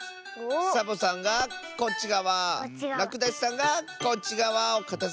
サボさんがこっちがわらくだしさんがこっちがわをかたづけるんだね。